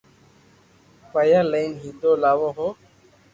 پيا لئين ھيدو لاوُ ھون